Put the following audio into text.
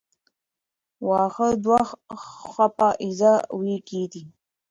واښه دوه څپه ایزه وییکي دي.